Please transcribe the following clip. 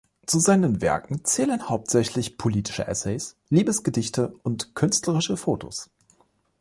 Zu seinen Werken zählen hauptsächlich politische Essays, Liebesgedichte und künstlerische Fotos.